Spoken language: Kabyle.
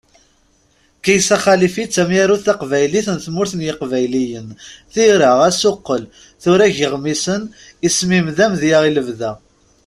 Kaysa Xalifi d tamyarut taqbaylit, n tmurt n yiqbayliyen, tira, asuqqel, tura deg yeɣmisen. Isem-im d amedya i lebda.